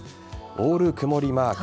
オール曇りマーク。